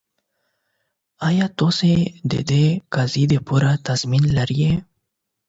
ایا تاسو د دې قضیې لپاره تضمین لرئ؟